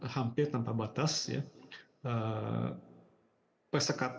hampir tanpa batas